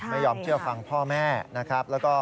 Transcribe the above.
ไม่ยอมเชื่อฟังพ่อแม่นะครับ